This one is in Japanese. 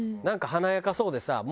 なんか華やかそうでさ